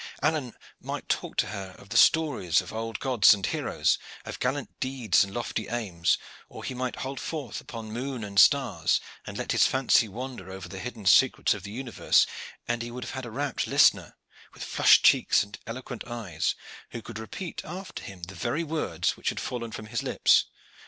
Alleyne might talk to her of the stories of old gods and heroes, of gallant deeds and lofty aims, or he might hold forth upon moon and stars, and let his fancy wander over the hidden secrets of the universe, and he would have a rapt listener with flushed cheeks and eloquent eyes, who could repeat after him the very words which had fallen from his lips.